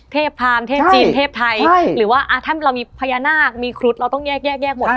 พรามเทพจีนเทพไทยหรือว่าถ้าเรามีพญานาคมีครุฑเราต้องแยกแยกหมด